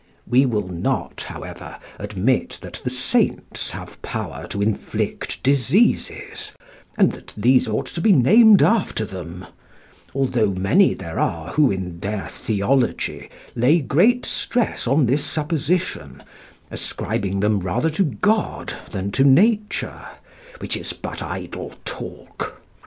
"We will not, however, admit that the saints have power to inflict diseases, and that these ought to be named after them, although many there are who, in their theology, lay great stress on this supposition, ascribing them rather to God than to nature, which is but idle talk.